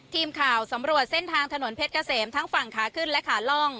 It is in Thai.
ทีมข่าวสำรวจเส้นทางถนนเพชรเกษมทั้งฝั่งขาขึ้นและขาล่อง